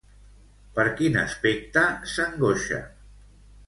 Per quin aspecte s'angoixa?